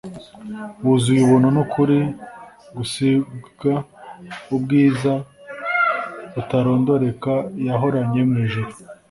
wuzuyubuntu nukuri gusig ubgiza butarondoreka yahoranye mw ijuru